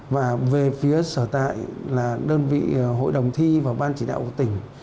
và về phía sở tại là đơn vị hội đồng thi và ban chỉ đạo của tỉnh